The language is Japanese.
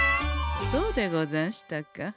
そうでござんしたか。